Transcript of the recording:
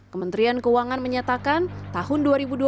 kementerian keuangan menyatakan tahun dua ribu dua puluh